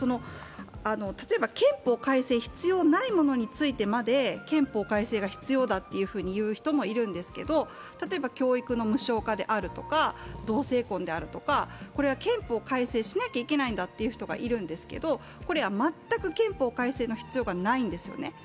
例えば、憲法改正必要ないものについてまで憲法改正が必要だと言う人もいるんですけど例えば教育の無償化であるとか同姓婚であるとか、憲法改正しなきゃいけないんだと言う人がいるんですけれども、これは全く憲法改正の必要がないんですよね。